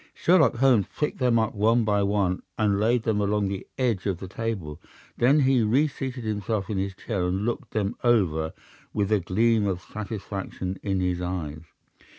Sherlock Holmes picked them up one by one, and laid them along the edge of the table. Then he reseated himself in his chair and looked them over with a gleam of satisfaction in his eyes.